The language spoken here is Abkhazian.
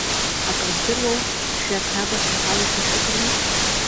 Акыр здыруоу, шәарҭ абацәа акалашәа шәыҟами.